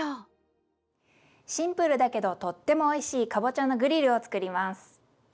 シンプルだけどとってもおいしいかぼちゃのグリルを作ります。